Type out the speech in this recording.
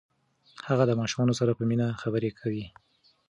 هغه د ماشومانو سره په مینه خبرې کوي.